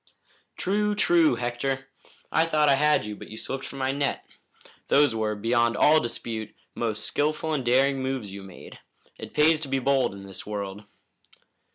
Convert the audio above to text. "True, true, Hector! I thought I had you, but you slipped from my net. Those were, beyond all dispute, most skillful and daring moves you made. It pays to be bold in this world."